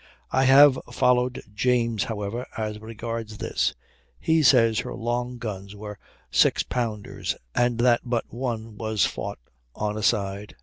I have followed James, however, as regards this; he says her long guns were 6 pounders, and that but one was fought on a side.